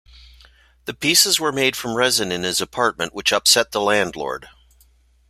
The pieces were made from resin in his apartment which upset the landlord.